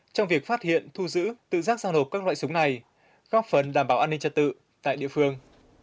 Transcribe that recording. trong việc phát hiện thu giữ tự giác giao nộp các loại súng này góp phần đảm bảo an ninh trật tự tại địa phương